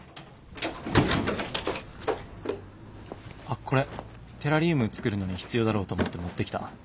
あっこれテラリウム作るのに必要だろうと思って持ってきた。